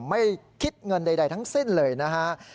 ไม่คิดเงินใดทั้งสิ้นเลยนะฮะ